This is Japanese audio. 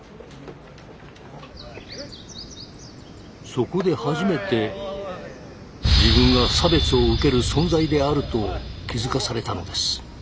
そこで初めて自分が差別を受ける存在であると気づかされたのです。